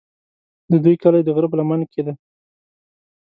د دوی کلی د غره په لمن کې دی.